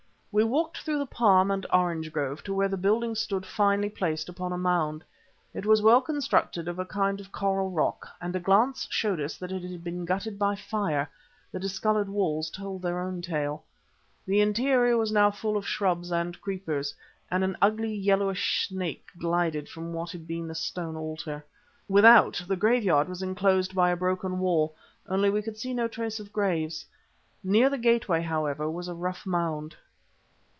We walked through the palm and orange grove to where the building stood finely placed upon a mound. It was well constructed of a kind of coral rock, and a glance showed us that it had been gutted by fire; the discoloured walls told their own tale. The interior was now full of shrubs and creepers, and an ugly, yellowish snake glided from what had been the stone altar. Without, the graveyard was enclosed by a broken wall, only we could see no trace of graves. Near the gateway, however, was a rough mound.